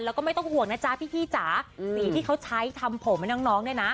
แล้วก็ไม่ต้องห่วงนะจ๊ะพี่จ๋าสีที่เขาใช้ทำผมให้น้องเนี่ยนะ